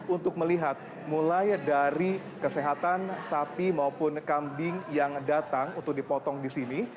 untuk melihat mulai dari kesehatan sapi maupun kambing yang datang untuk dipotong di sini